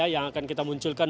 yang akan kita munculkan